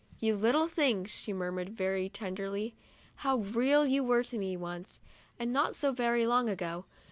"You little things," she mur mured, very tenderly. " How real you were to me, once; and not so very long ago.